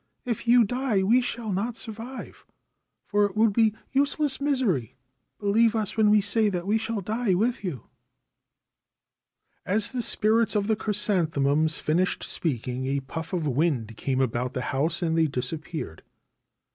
If you die we shall not survive, for it would be useless misery. Believe us when we say that we shall die with you.' As the spirits of the chrysanthemums finished speaking a puff of wind came about the house, and they dis appeared.